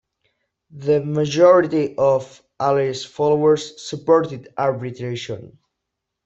The majority of Ali's followers supported arbitration.